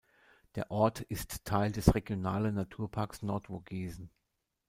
Der Ort ist Teil des Regionalen Naturparks Nordvogesen.